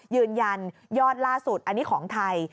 ยืนยันยอดล่าสุดอันนี้ของไทย